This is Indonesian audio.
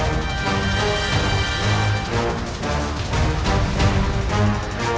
orang orang terluka yang terluka yang terluka